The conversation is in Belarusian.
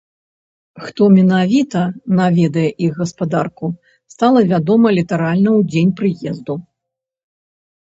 Хто менавіта наведае іх гаспадарку, стала вядома літаральна ў дзень прыезду.